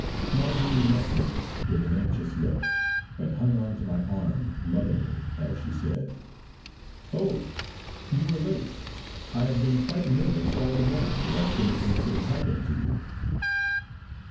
Marjory met me with an anxious look, and hung on to my arm lovingly as she said: "Oh, you are late! I have been quite nervous all the morning lest anything should have happened to you!"